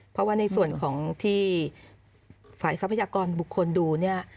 เพราะว่าในส่วนของที่ฝ่ายทรัพยากรบุคคลดูเนี่ย